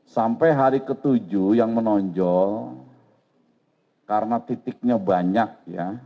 sampai hari ke tujuh yang menonjol karena titiknya banyak ya